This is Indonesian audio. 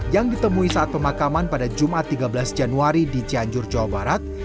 yang ditemui saat pemakaman pada jumat tiga belas januari di cianjur jawa barat